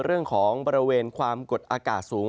เรื่องของบริเวณความกดอากาศสูง